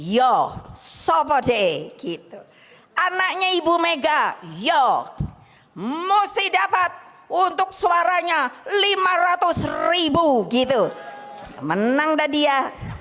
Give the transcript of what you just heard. yo sopo de gitu anaknya ibu mega yo musti dapat untuk suaranya lima ratus gitu menang tadi ya